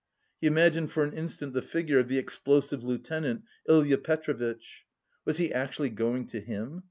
He imagined for an instant the figure of the "explosive lieutenant," Ilya Petrovitch. Was he actually going to him?